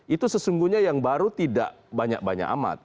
itu sesungguhnya yang baru tidak banyak banyak amat